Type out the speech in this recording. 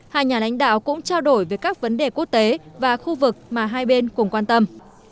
hai nhà lãnh đạo cũng trao đổi về các vấn đề quốc tế và khu vực mà hai bên cùng quan tâm